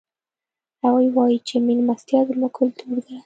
هغوی وایي چې مېلمستیا زموږ کلتور ده